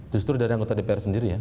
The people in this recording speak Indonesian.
justru dari anggota dpr sendiri ya